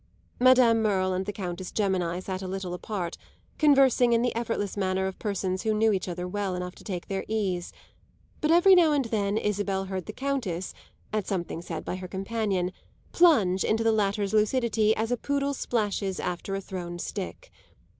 Madame Merle and the Countess Gemini sat a little apart, conversing in the effortless manner of persons who knew each other well enough to take their ease; but every now and then Isabel heard the Countess, at something said by her companion, plunge into the latter's lucidity as a poodle splashes after a thrown stick.